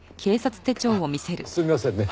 すみませんね。